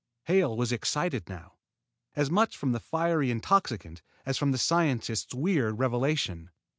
Hale was excited now, as much from the fiery intoxicant as from the scientist's weird revelation.